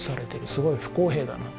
すごい不公平だなと。